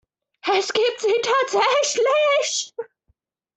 Es gibt sie tatsächlich!